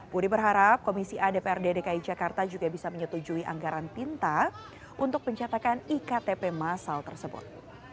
budi berharap komisi adprd dki jakarta juga bisa menyetujui anggaran pintar untuk pencatakan iktp masal tersebut